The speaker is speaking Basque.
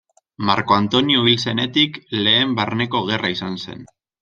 Marko Antonio hil zenetik lehen barneko gerra izan zen.